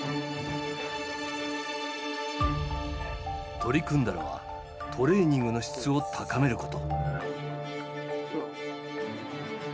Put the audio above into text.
取り組んだのはトレーニングの質を高めること。